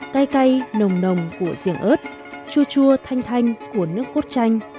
cây cay nồng nồng của giềng ớt chua chua thanh thanh của nước cốt chanh